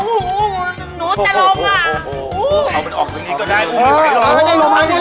หนูดต้องลงอ่ะ